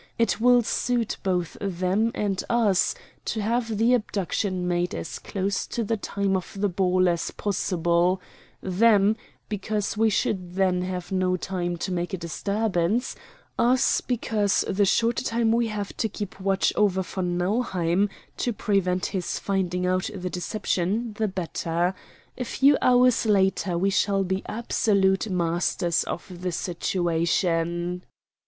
It will suit both them and us to have the abduction made as close to the time of the ball as possible them, because we should then have no time to make a disturbance; us, because the shorter time we have to keep watch over von Nauheim to prevent his finding out the deception the better. A few hours later we shall be absolute masters of the situation."